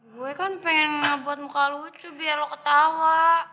gue kan pengen buat muka lucu biar lo ketawa